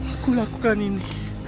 aku lakukan ini